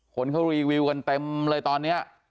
คนเขารีวิวกันเต็มเลยตอนนี้